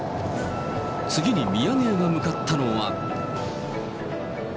次にミヤネ屋が向かったのは。